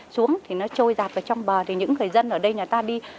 xuống thì nó trôi rạp vào trong bờ thì những người dân ở đây nhà ta đi